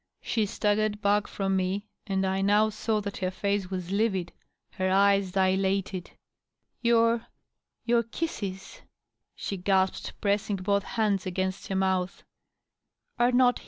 She staggered baqk from me, and I now saw that her face was livid, her eyes dilated. " Your — ^your kisses," she gasped, pressing both hands against her mouth, " are not Am."